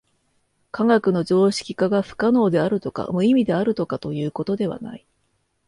科学の常識化が不可能であるとか無意味であるとかということではない。